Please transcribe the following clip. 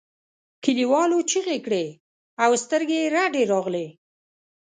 کليوالو چیغې کړې او سترګې یې رډې راغلې.